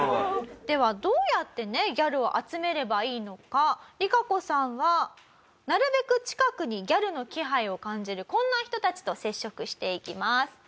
ではどうやってねギャルを集めればいいのかリカコさんはなるべく近くにギャルの気配を感じるこんな人たちと接触していきます。